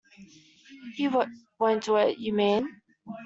You won't do it, you mean?